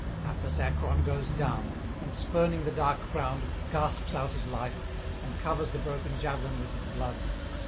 Hapless Acron goes down, and, spurning the dark ground, gasps out his life, and covers the broken javelin with his blood.